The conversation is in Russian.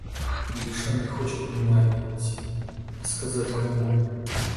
Душа не хочет немая идти, а сказать кому?